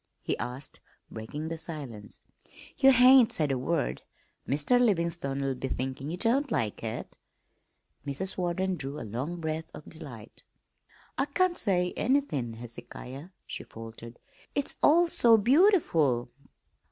he asked, breaking the silence. "Ye hain't said a word. Mr. Livin'stone'll be thinkin' ye don't like it." Mrs. Warden drew a long breath of delight. "I can't say anythin', Hezekiah," she faltered. "It's all so beautiful."